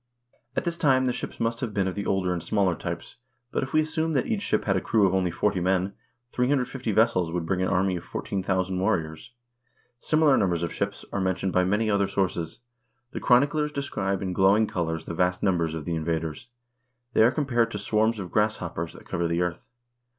At this time the ships must have been of the older and smaller types ; but if we assume that each ship had a crew of only 40 men, 350 vessels would bring an army of 14,000 warriors. Similar numbers of ships are mentioned by many other sources. The chroniclers describe in glowing colors the vast numbers of the invaders. They are compared to swarms of grasshoppers that cover the earth.